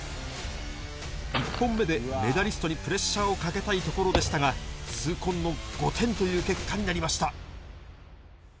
１本目でメダリストにプレッシャーをかけたいところでしたが、痛恨の５点という結果になりました。